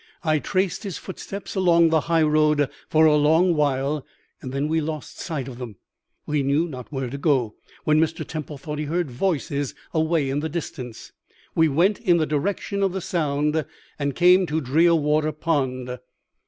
I traced his footsteps along the high road for a long while, and then we lost sight of them. We knew not where to go, when Mr. Temple thought he heard voices away in the distance. We went in the direction of the sound, and came to Drearwater Pond.'